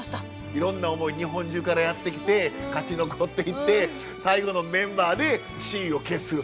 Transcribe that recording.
いろんな思いで日本中からやって来て勝ち残っていって最後のメンバーで雌雄を決する。